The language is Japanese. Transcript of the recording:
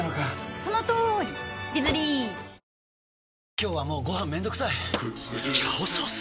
今日はもうご飯めんどくさい「炒ソース」！？